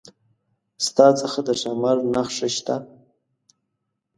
ستا څخه د ښامار نخښه شته؟